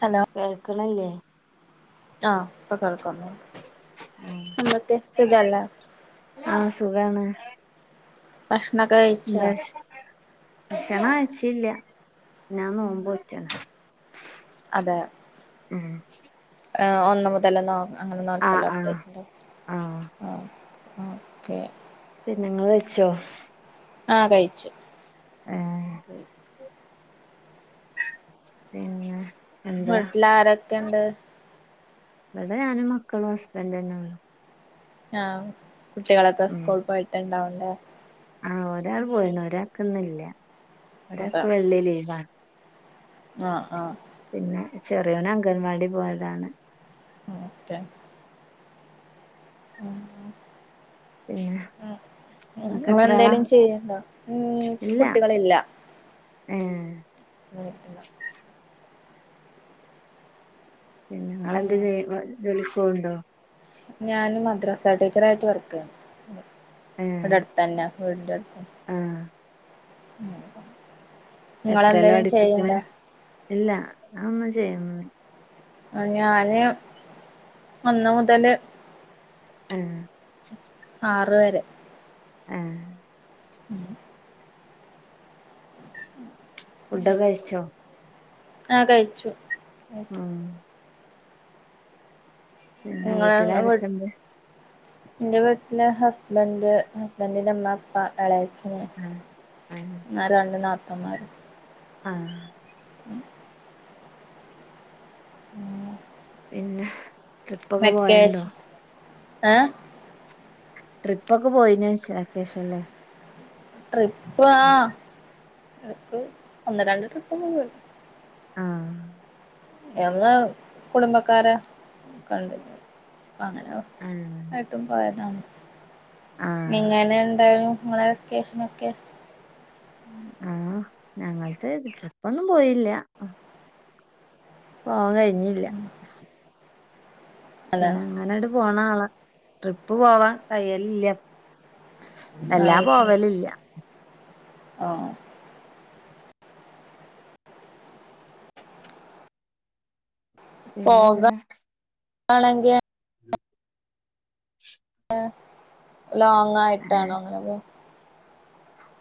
Hello കേൾക്കണ്ല്ലേ ആഹ് പ്പ കേൾ ക്കുന്നുണ്ട് മ്മക്ക് സുഖല്ലേ ആഹ് സുഖാണ് ഭക്ഷണംക്കെ കഴിച്ചാ? ഭക്ഷ ഭക്ഷണം കഴിച്ചില്ല ഞാന് നോമ്പോറ്റ്ണ് അതെ ഉം ഒന്ന് മുതല് നോ അങ്ങനെ ആഹ് നോക്കല് ആഹ് തൊടങ്ങിട്ട്ണ്ടോ ആഹ് ഓക്കെ പിന്നെ നിങ്ങള് വെച്ചോ ആഹ് കഴിച്ചു ഏഹ് പിന്നെ എന്താ വീട്ടില് ആരൊക്കെ ഇണ്ട് ഇവിടെ ഞാനും മക്കളും ഹസ്ബൻഡുഞ്ഞൊള്ളൂ ആ കുട്ടികളൊക്കെ സ്കൂൾ പോയിട്ട ഇണ്ടാവല്ലേ ആ ഒരാൾ പോയിണ് ഒരാക്ക് ന്നില്ല ഒരാക്ക് വെള്ളി ലീവാ ആ ആ ചെറിയോന് അംഗൻവാടി പോയതാണ് ഓക്കെ ഉം പിന്നെ ഇങ്ങക്ക് ഉ എത്ര ആളാ എന്തേലും ചെയ്യ്ണ്ടോ ഉം ഇല്ല കുട്ടികളില്ല ഏഹ് [inaudible] പിന്നെ ഉം ങ്ങളെന്താ ചെയ്യ്ണ് ജോലിക്കോവ്ണ്ടോ ഞാൻ മദ്രസ ടീച്ചറായിട്ട് വർക്കെയ്യാണ് ഇവിടെ ഏഹ് അടുത്തെന്നാ വീടിൻ്റട്ത്ത് ആഹ് [unintelligible] എത്രയിലാ നിങ്ങളെന്തേലും പഠിപ്പിക്ക്ണ്. ചെയ്യണ്ടോ ഇല്ല, ഞാ ഒന്നും ചെയ്യ് [inaudible] ആ ഞാന് ഒന്ന് മുതല് ആ ആറ് വരെ ഏ ഉം [inaudible] ഫുഡ്ഡെക്കെ കയ്ച്ചോ? ആ കഴിച്ചു ഉം ന്ന വീട്ടിലാരെക്കണ്ട് ന്റെ വീട്ടില് ഹസ്ബെൻ്റ്, ഹസ്ബെന്റിൻ്റെ ഇമ്മ, ഇപ്പ, എളെ [unintelligible] ആ ആ രണ്ട് നാത്തൂന്മാരും ആ [inaudible] പിന്നെ, ട്രിപ്പൊക്കെ പോയൽണ്ടോ ഏം ട്രിപ്പക്കെ പോയിന്ച്ച ക്കേഷല് ട്രിപ്പ് ആ എടക്ക് ഒന്ന് രണ്ട് ട്രിപ്പക്ക പോയ് ആ യങ്ങ് കുടുംബക്കാര കണ്ട്. അങ്ങനെ ആ ആയിട്ടും പോയതാണ് ആ എങ്ങനെ ഉണ്ടായു ഇങ്ങളെ വെക്കേഷനൊക്കെ. ആ ഞങ്ങൾത് ട്രിപ്പൊന്നും പോയില്ല പോവാ കയിഞ്ഞില്ല അല്ല പിന്നെ അങ്ങനാണ്ട് പോണ ആളാ ട്രിപ്പ് പോവാൻ കയ്യലില്ല എല്ലാ പോവലില്ല ആ പിന്നെന്താ? ആണെങ്കി ഉം [unintelligible] എ ലോങ് ആയിട്ടാണോ അങ്ങനെ പോ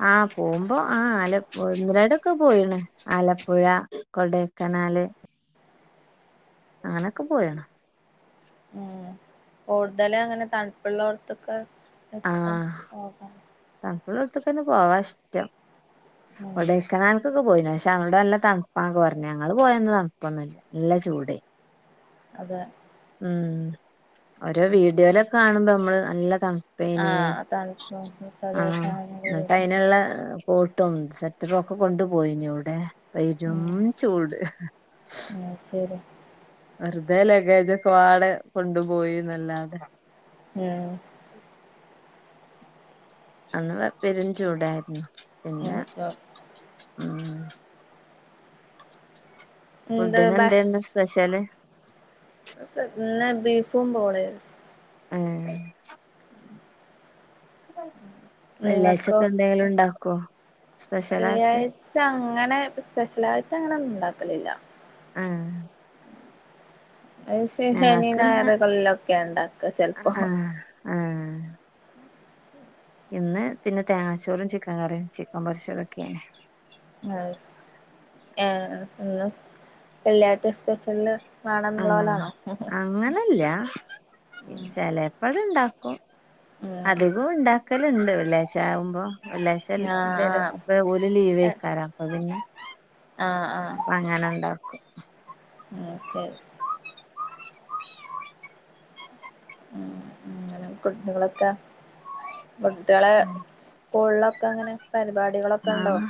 ആ പോകുമ്പോ ആ ആല ഒന്ന് രണ്ടെക്കെ പോയിണ് ആലപ്പുഴ കൊടെക്കനാ... നാല് അങ്ങനൊക്കെ പോയേണ് ഉം കൂടുതലങ്ങനെ തണുപ്പുള്ളോട്ത്തൊക്കെ [unintelligible] പോകാം ഇവിടടുത്ത്ക്കന്നെ പോവാ ഇഷ്ടം ഉം കെടെകനാൽകെക് പോയിന പക്ഷെ അവ്ടല്ല തണുപ്പാക്കെ പറഞ്ഞ് ഞങ്ങള് പോയന്ന് തണുപ്പൊന്നുല്ല നല്ല ചൂടേനി അതെ ഉം ഓരോ ഉം വീഡിയോലൊക്കെ കാണുമ്പോ നമ്മള് നല്ല താണ് പിന്നെ ആഹ് തണുപ്പ് ആ പ്രദേശാണെങ്കില് എന്നിട്ട് അതിനുള്ള കേട്ടും സെറ്റെറും ഒക്കെ കൊണ്ട് പേയിന് എവിടെ പെരും ഉം ചൂട് ഹ്.... ആഹ് ശരി വെറുതെ ലഗേജൊക്കെ പാടെ കൊണ്ടു പേയി എന്നല്ലാതെ എ അന്ന് പെരുംചൂടാര്ന്നു എനിക്കോ ആ എന്ത് ഫുഡ്ന് ഭക്ഷ എന്തെന്നു സ്പെഷ്യല് ഇന്ന് ബീഫും പൂളിം ഏ നിങ്ങക്കോ വെള്ളിയാഴ്ചക്കെ എന്തെങ്കിലും ഇണ്ടാക്കോ വെള്ളിയാഴ്ച അങ്ങനെ സ്പെഷ്യലായിട്ട് അങ്ങനൊന്നും ഇണ്ടാക്കലില്ല ഏ അത് ശെനി ഇന്ന് ഞായറ്കളിലൊക്കെ ഇണ്ടാക്ക ചെൽപ്പോ ഏ ഇന്ന് പിന്നെ തേങ്ങാച്ചോറും, ചിക്കൻ കറിയും, ചിക്കൻ പൊര്ച്ചതൊക്കേനി ആ ഏ വെള്യാഴ്ച്ച സ്പെഷ്യല് ആ വേണന്നുള്ള പോലാണോ അങ്ങനല്യ ഉം ചെലെപ്പള് ഇണ്ടാക്കും അധികം ഇണ്ടാക്കല്ണ്ട് വെള്യാഴ്ചാവുമ്പോ അല്ല ചെൽ ആഹ് ചെല ആഹ് അപ്പൊ ഓല് ലീവേക്കാരം അപ്പ പിന്നെ ആഹ് ആഹ് അപ്പ അങ്ങനെണ്ടാക്കും ഓക്കെ ഉ അങ്ങനെ കുട്ടികളൊക്കെ കുട്യളെ ഉം ള്ളൊക്കെ അങ്ങനെ പരിപാടികളൊക്കെ ഇണ്ടോ ആഹ്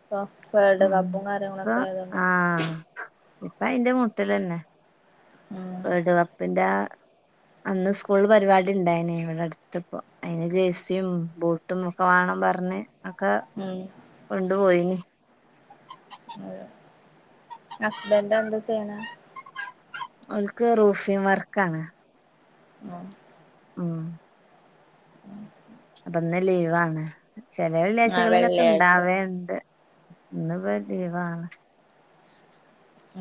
ഇപ്പൊ വേൾഡ് ഉം കപ്പും ഇപ്പൊ കാര്യങ്ങളൊക്കെ ആയതോണ്ട് ആഹ് ഇപ്പ ഐന്റെ മൂട്ടിലന്നെ ഉം വേൾഡ് കപ്പിന്റെ ആ അന്ന് സ്കൂള്ള് പരിപാടി ഇണ്ടായിന് ഇവിടെ അടുത്ത്പ്പോ ഐന് ജേഴ്സിയും ബൂട്ടും ഒക്കെ വാണം പർഞ്ഞ് ആക്കെ ഉം കൊണ്ടു പോയീനി ഹസ്ബൻഡ് എന്താ ചെയ്യ്ണെ അവര്ക്ക് റൂഫി വർക്കാണ് ഉം ഉം ഉം അപ്പന്ന് ലീവാണ് ചെല ആഹ് വെള്ളിയാഴ്ചകളിലൊക്കെ വെള്ളിയാഴ്ച ഇണ്ടാവേണ്ട് ഇന്ന്പ്പാ ലീവാണ്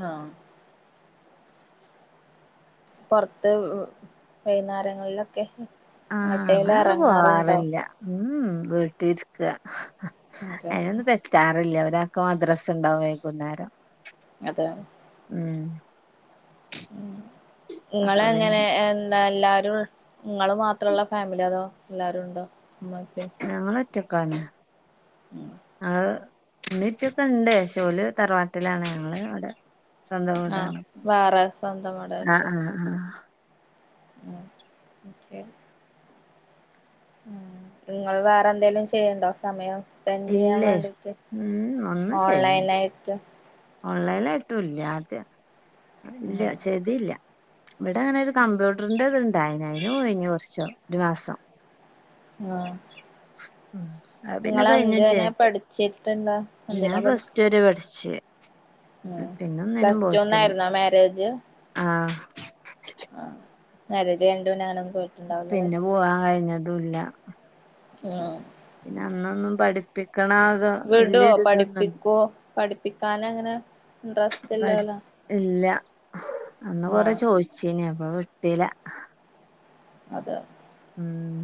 ആ പൊർത്ത് വൈന്നേരങ്ങളിലൊക്കെ ആഹ് എങ്ങട്ടേല് അങ്ങനൊന്നും എറങ്ങാറ്ണ്ടോ പോവാറില്ല ഉം വീട്ടിര്ക്ക അതെ ഐനൊന്നും പറ്റാറില്ല ഒരാക്ക് മദ്രസ്ണ്ടാവും വൈകുന്നാരം അതെ അപ്പൊ ഇങ്ങളെങ്ങനെ പിന്നെ എന്താ എല്ലാ ഇങ്ങള് മാത്രള്ള ഫാമിലൊ അതോ എല്ലാരുണ്ടോ ഇമ്മിഇപ്പിം ഒറ്റക്കാണ് ഞങ്ങള് ഇമ്മി ഇപ്പൊക്കെണ്ട് പക്ഷെ ഓല് തറവാട്ടിലാണ് ഞങ്ങള് ഇവടെ സ്വന്തം ആഹ് വീടാണ് വേറെ സ്വന്തം ആ വീടായിട്ട് ആ ആ ഉം ശെരി ഉം ഇങ്ങള് വേറെന്തേലും ചെയ്യേണ്ടോ സമയം സ്പെൻ്റെയ്യാ ഇല്ലേ വേണ്ടീട്ട് ഉം ഓൺലൈനായിട്ട് ഓൺലൈനായിട്ടുംല്യ ആദ്യ ഉം ഇല്യ ചെയ്തീല്ല ഇവിടെ അങ്ങനെ ഒരു കമ്പ്യൂട്ടറിന്റെ ഇത് ഇണ്ടായീനി ഐന് പോയീനി കൊർച് ഒരു മാസം ആഹ് അത് പിന്നെ ഇങ്ങളെന്തിനാ കഴിഞ്ഞുംചെയ്ത് പഠിച്ചിട്ട്ള്ള ഞാൻ എന്തിനാ പ്ലസ് പഠിച്ചെ ടു വരെ പഠിച്ചേ ഉം പ്ലസ് ടുന്നായിര്ന്നോ മേരേജ് ആഹ് മാര്യേജ് കഴിഞ്ഞിട്ട്പിന്നെങ്ങനൊന്നും പിന്നെ പോവാൻ കഴിഞ്ഞതുല്ല ആഹ് പിന്നെ അന്നൊന്നും പഠിപ്പിക്കണ അതോ വിടോ വല്യേരുതൊന്നും പഠിപ്പിക്കോ പഠിപ്പിക്കാനങ്ങനെ ഇൻട്രസ്റ്റ് പഠി ഇല്ലാലോ ഇല്ല അന്ന് കൊറേ ചോദിച്ചീന് അപ്പ വിട്ടില അതെ ഉം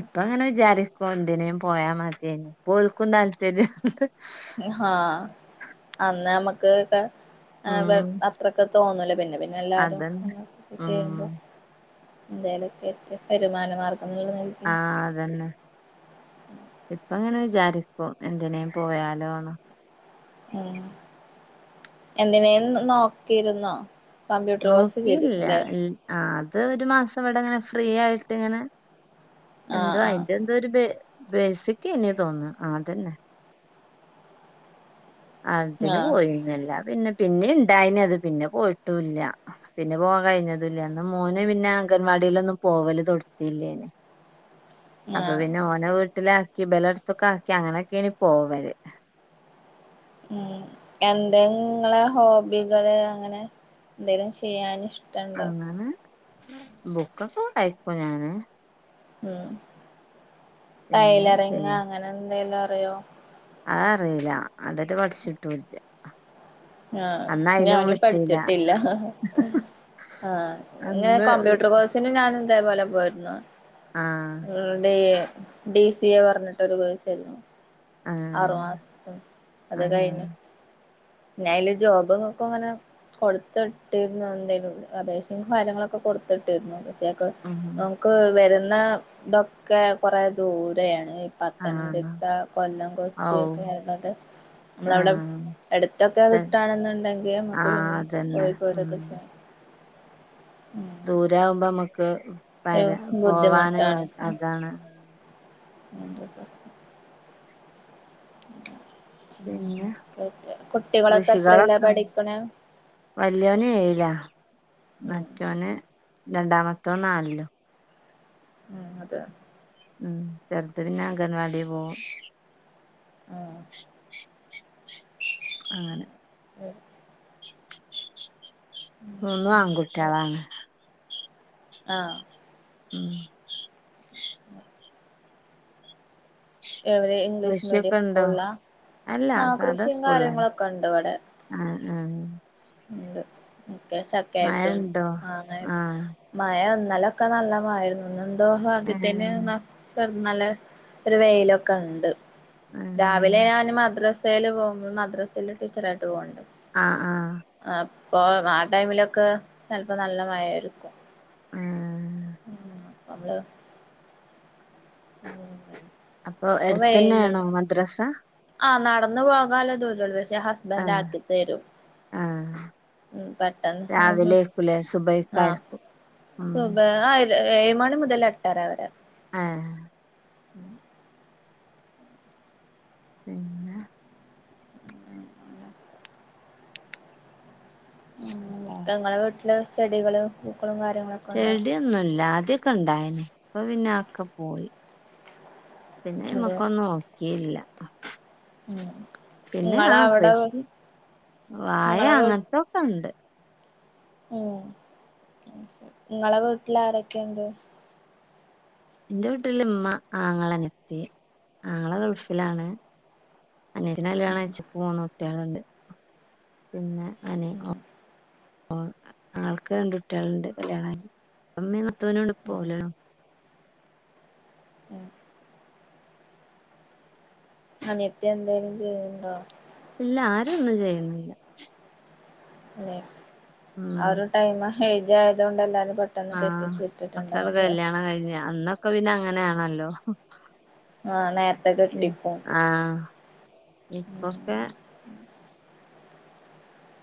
ഇപ്പ അങ്ങനെ വിചാരി എന്തിനേയും പോയാ മത്യായിന്നു പ്പോൽക്കും താല്പര്യ ഹ് ഹേ ഹാ അന്ന് നമ്മക്ക്ക്ക അത് ഉം അത്രൊക്കെ തോന്നൂല പിന്നെ പിന്നെ എല്ലാരും അതന്നെ നെ ഉം ചെയ്യുമ്പോ എന്തെലൊക്കെറ്റ് വരുമാനമാർഗം ആഹ് അതന്നെ ഇപ്പങ്ങനെ വിചാ ചാരിക്കും എന്തിനേയും പോയാലോന്ന് ഉം എന്തിനേലും നോക്കിയിരുന്നോ കമ്പ്യൂട്ടർ കോഴ്സ് നോക്കിയില്ല ചെയ്തിരുന്നുല്ലേ ഇൽ ആ ഒരു മാസം ഇവിടെങ്ങനെ ഫ്രീ ആയിട്ട് ഇങ്ങനെ ആഹ് എന്തോ ആഹ് അതിന്റെന്തോ ഒരു ത് ബേസിക്ന്നെ തോന്നുന്നു ആതന്നെ അതിന് ആഹ് പോയിരുന്നില്ല പിന്നെ പിന്നിം ഇണ്ടായിന് അത് പിന്നെ പോയിട്ടുംല്ല പിന്നെ പോകാ കഴിഞ്ഞതല്ല അന്ന് മോന് പിന്നെ അംഗൻവാടി ലൊന്നും പോവല് തൊടത്തില്ലെന് അപ്പ ആഹ് പിന്നെ ഓനെ വിട്ട് വീട്ടിലാക്കി ഇബലടത്തൊക്കെ ആക്കി അങ്ങനെയൊക്കേണ് പോവല് ഉം എന്തെങ്ങളെ ഹോബികള് അങ്ങനെ എന്തെങ്കിലും ചെയ്യാൻ ഇഷ്ട അങ്ങനെ ബുക്കൊക്കെ വായിക്കും ഞാന് ഉം പിന്നെ ടൈലറിങ് ശരി അങ്ങനെ എന്തേലും അറിയോ ആഅറീല അതേറ്റെ പഠിച്ചിട്ടൂല്ല ആഹ് ഞാനും പഠിച്ചിട്ടില്ല ഹ് ഹ് ആ ഇങ്ങനെ അന്ന് കമ്പ്യൂട്ടർ കോഴ്സിന് ഞാൻ തേപോലെ പോയിരുന്നു ആഹ് ഡി ഡിസി തീയ പറഞ്ഞിട്ടൊരു കോഴ്സേരുന്നു ആഹ് ആറുമാസത്തെ ആഹ് അത്കഴിഞ്ഞു ഞയില് ജോബ്ങ്ങക്കുംങ്ങനെ കൊടുത്തിട്ടിരുന്നു എന്തേലും അപേക്ഷ ഫലങ്ങളൊക്കെ കൊടുത്തിട്ടിരുന്നു ഉം നമുക്ക് വരുന്ന ഇതൊക്കെ കുറേ ദൂരെയാണ് ആഹ് പത്തനംതിട്ട കൊല്ലം ഔ കൊച്ചി ഒക്കെ ആയിനിട്ട് നമ്മളവിടെ ആഹ് എടുത്തൊക്കെ ശരി കിട്ടാണെന്നുണ്ടെങ്കി നമ്മുക്ക് ആഹ് പിന്നിം അതന്നെ പോയി പോരൊക്കെ ചെയാം ദൂരെ ആവുമ്പോ മ്മക്ക് പരാ ഉം പോവാന് അതാണ് അയിന്റെ പ്രശ്നം പിന്നെ അങ്ങനെക്കായിട്ട് കുട്ടികളൊക്കെ എത്രയിലാ കൃഷികളൊക്കെ പഠിക്ക്ണ് വല്യോന് ഏഴിലാ ഉം മറ്റോന് രണ്ടാമത്തോൻ നാലിലും ഉം അതെ ഉം ചർത് പിന്നെ അംഗനവാടിപോവും ആഹ് അങ്ങനെ ഉം മൂന്നും അങ്ങനൊക്കെ ആൺകുട്ടിളാണ് ആഹ് ഉം ഉ ഇംഗ്ലീഷ് മീഡിയം കൃഷിയൊക്കെ ഉണ്ടോ സ്കൂളിലാ അല്ല ആഹ് സാധാ കൃഷിയും സ്കൂളാണ് കാര്യങ്ങളൊക്കെ ഉണ്ട് ആ ആഹ് ക്കെ മഴ ചക്കായിട്ടും ഉണ്ടോ മാങ്ങായി ആഹ് മയ ഇന്നലൊക്കെ നല്ലമായിരുന്നു എന്തോ ഭാഗ്യത്തിന് ഏഹ് നല്ല ഒരു വെയിലൊക്കെ ണ്ട് രാവിലെ ഏഹ് ഞാന് മദ്രസ് സേൽ പോകുമ്പോൾ മദ്രസൽ ടീച്ചറായിട്ട് പോന്നുണ്ട്. ആഹ് ആഹ് ഇ ആ ടൈമിലൊക്കെ ചെലപ്പോ നല്ല മഴേരിക്കും. ആഹ് ഉം നമ്മള് [inaudible] ഉ [inaudible] അപ്പൊ എടുത്ത് ന്നെയാണോ മദ്രാസ ആഹ് നടന്നു പോകാലേ ദൂരേള്ളൂ പക്ഷേ ഹസ്ബൻഡ് ആഹ് ആക്കി തരും. ആഹ് ഉം പെട്ടെന്ന് രാവിലെക്കുലേ ആഹ്- സുബൈക്കാര്ക്കും സുബ്ഹ് ആഏഴ് മണി മുതൽ എട്ടര വരെ ഹേ ഹേ ഉം [inaudible] പിന്നെ ഞങ്ങളെ വീട്ടില് ചെടികള് കാര്യങ്ങളൊക്കെ ഉണ്ടോ ചെടിയ ഒന്നുമല്ല ആദ്യൊക്കെ ഉണ്ടായിനി ഇപ്പൊ പിന്നെക്കെ പോയി അതോ പിന്നെയമക്കൊന്നും നോക്കിയില്ല ഉം പിന്നെ ആ ഇങ്ങളെ അവിടെ കൃഷി വായ ഇങ്ങളെ വീ അങ്ങനത്തൊക്കെ ഉണ്ട്. ഉം നിങ്ങളെ വീട്ടില് ആരൊക്കെ ഇണ്ട്. എന്റെ വീട്ടില് ഇമ്മ ആങ്ങള അനിയത്തി ആങ്ങള ഗൾഫിലാണ്. അനിയത്തിനെ കല്യാണം ഉം കഴിച്ചു പ്പോമൂന്ന് കുട്ടികളണ്ട് പിന്നെ അനി ഉം ഒ ഓ ആൾക്ക് രണ്ട് കുട്ടികൾണ്ട് കല്യാണ കയ്ഞ്ഞ് ഇപ്പേ ഇമ്മീനാത്തൂനുണ്ട്‌ ഇപ്പേ ഉം ഓ ഉം അനിയത്തി എന്തേലും ചെയ്യണ്ടോ? ഇല്ല ആരൊന്നും ചെയ്യുന്നില്ല. ഏ ആ ഒരു ടൈം ഐജാ ആയത് കൊണ്ട് എല്ലാരും. പെട്ടെന്ന് ആഹ് കെട്ടിച്ച് മക്കൾക്ക് വിട്ടിട്ടുണ്ടാവുല്ലേ കല്യാണം കഴിഞ്ഞ് അന്നൊക്കെ പിന്നെ. അങ്ങനെയാണല്ലോ. ആഹ് നേരത്തെ കെട്ടിക്കും ആ ഇപ്പൊക്കെ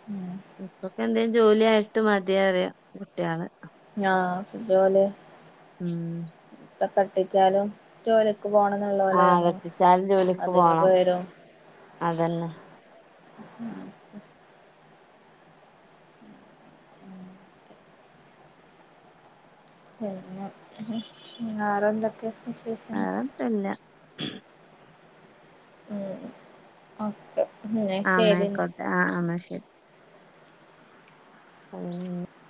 ഉം [inaudible] ഇപ്പൊക്കെ എന്തേലുംജോലി ആയിട്ട് മതി റിയാം കുട്ട്യാള് ആഹ് പിതു പോലെ ഉം കെട്ടിച്ചാലും ജോലി പോണംന്നുള്ള പോലെ ആഹ് ആണോ കെട്ടിച്ചാലും ജോലിക്ക് അതിങ്ങ പോണം പേരും. അതന്നെ ഉം [inaudible] പിന്നെ വെറെ എന്തൊക്കെയ വിശേഷം? വേറെത്തുല്ല [inaudible] ഉം ഒക്കെ ആന്നെ കൊട്ടെ ആ ഇന്നാശരി. ഉം